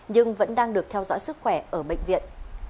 nhưng vẫn đang được theo dõi sức khỏe ở bệnh viện